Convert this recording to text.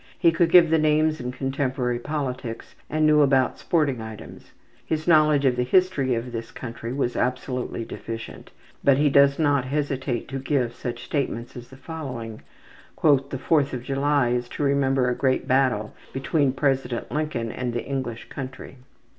He could give the names in contemporary politics, and knew about sporting items. His knowledge of the history of this country was absolutely deficient, but he does not hesitate to give such statements as the following: ``The Fourth of July is to remember a great battle between President Lincoln and the English country.''